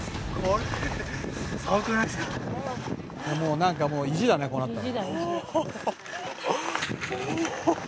「なんかもう意地だねこうなったら」